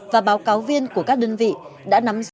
và báo cáo viên của các đơn vị đã nắm rõ